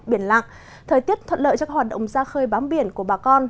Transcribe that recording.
biển lặng thời tiết thuận lợi cho các hoạt động ra khơi bám biển của bà con